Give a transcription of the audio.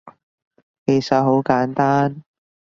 其實好簡單